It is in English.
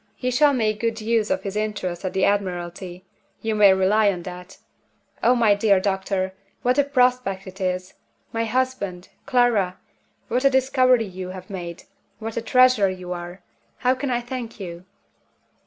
He shall make good use of his interest at the Admiralty you may rely on that. Oh, my dear doctor, what a prospect it is! My husband! Clara! What a discovery you have made what a treasure you are! How can I thank you?"